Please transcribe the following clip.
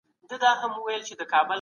د چاپیریال اغیز په اخلاقو څومره دی؟